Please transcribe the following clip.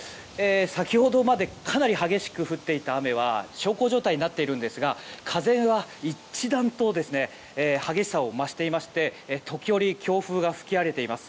先ほどまでかなり激しく降っていた雨は小康状態になっていますが風は一段と激しさを増していまして時折、強風が吹き荒れています。